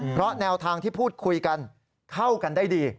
เพราะแนวทางที่พูดคุยกันเข้ากันได้ดี